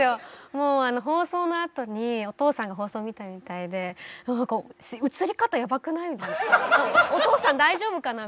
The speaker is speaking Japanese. もうあの放送のあとにお父さんが放送見たみたいで「何か映り方やばくない？」みたいな「お父さん大丈夫かな？」